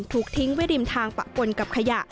ถูกทิ้งไว้ริมทางปะปนกับขยะ